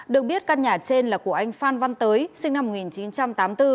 được biết căn nhà trên là của anh phan văn tới sinh năm một nghìn chín trăm tám mươi bốn